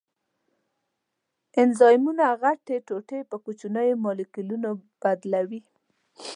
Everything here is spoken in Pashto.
انزایمونه غټې ټوټې په کوچنیو مالیکولونو بدلوي.